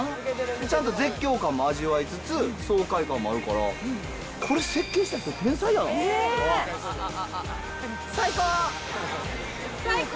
ちゃんと絶叫感も味わいつつ、爽快感もあるから、これ設計した人、ねー。最高！